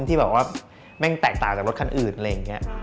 ที่แบบว่าแม่งแตกต่างจากรถคันอื่นอะไรอย่างนี้